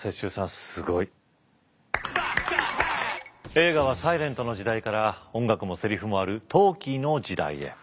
映画はサイレントの時代から音楽もセリフもあるトーキーの時代へ。